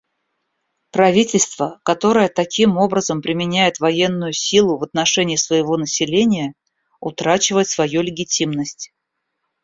Правительство, которое таким образом применяет военную силу в отношении своего населения, утрачивает свою легитимность.